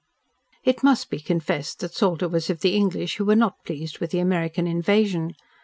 It must be confessed that Salter was of the English who were not pleased with the American Invasion.